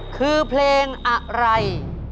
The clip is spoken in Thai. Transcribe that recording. คือเพลงอะไร